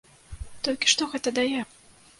Толькі што гэта дае?